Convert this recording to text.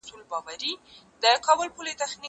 زه کتابتون ته راتګ کړی دی؟!